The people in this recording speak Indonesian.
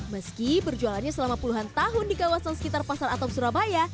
meski berjualannya selama puluhan tahun di kawasan sekitar pasar atom surabaya